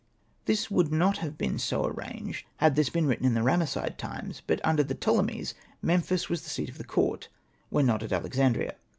This would not have bee.i so arranged had this been written in the Ramesside times, but under the Ptolemies Memphis was the seat of the court — when not at Alexandria.